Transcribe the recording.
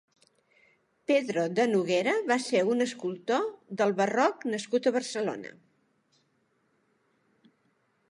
Pedro de Noguera va ser un escultor del barroc nascut a Barcelona.